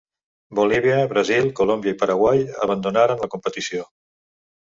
Bolívia, Brasil, Colòmbia i Paraguai abandonaren la competició.